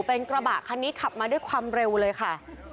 เป็นกระบะคันนี้ขับมาด้วยความเร็วเลยค่ะ